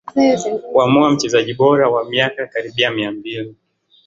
Kuamua mchezaji bora wa miaka karibia mia mbili